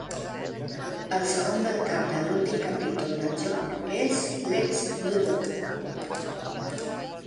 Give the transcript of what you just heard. El segon del cap de l'últim capítol del joc és Lex Luthor.